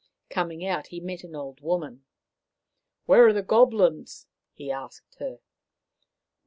Coming out, he met an old woman. " Where are the Goblins ?" he asked her.